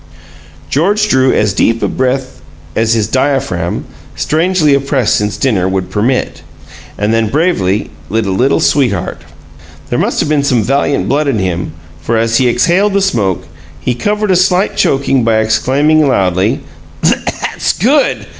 George drew as deep a breath as his diaphragm, strangely oppressed since dinner, would permit, and then bravely lit a Little Sweetheart. There must have been some valiant blood in him, for, as he exhaled the smoke, he covered a slight choking by exclaiming, loudly: "THAT'S good!